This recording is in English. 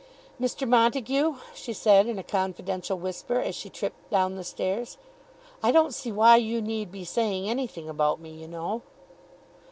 "Mr. Montague," she said in a confidential whisper, as she tripped down the stairs, "I don't see why you need be saying anything about me, you know."